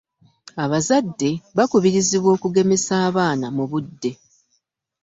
abazadde bakubirizibwa okugemesa abaana mu budde.